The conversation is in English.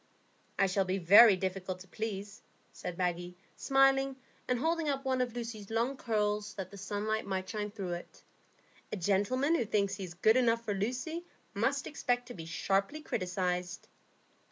"I shall be very difficult to please," said Maggie, smiling, and holding up one of Lucy's long curls, that the sunlight might shine through it. "A gentleman who thinks he is good enough for Lucy must expect to be sharply criticised."